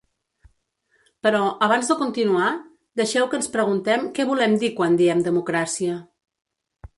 Però, abans de continuar, deixeu que ens preguntem què volem dir quan diem democràcia.